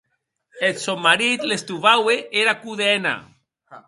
Eth sòn marit l’estovaue era codena.